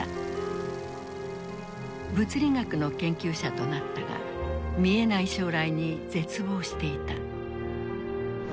物理学の研究者となったが見えない将来に絶望していた。